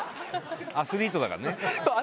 アスリートだからね。